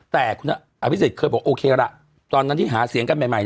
แต่คุณอภิษฎเคยบอกโอเคละตอนนั้นที่หาเสียงกันใหม่